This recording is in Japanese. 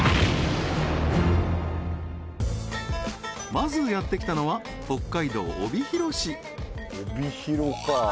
まずやってきたのは北海道帯広市